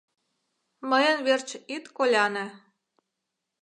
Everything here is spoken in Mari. — Мыйын верч ит коляне!